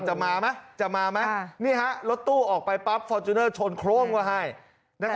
จะมามั้ยจะมามั้ยนะฮะรถตู้ออกไปปั๊บทุกที